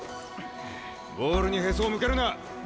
ボールにへそを向けるな。